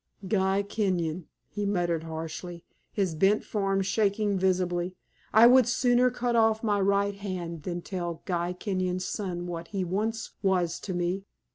"Guy Kenyon," he muttered, harshly, his bent form shaking visibly; "I would sooner cut off my right hand than tell Guy Kenyon's son what he once was to me.